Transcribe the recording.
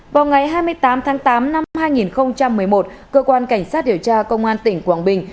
vào ngày hai mươi tám tháng tám năm hai nghìn một mươi một cơ quan cảnh sát điều tra công an tỉnh quảng bình